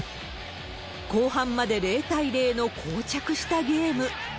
後半まで０対０のこう着したゲーム。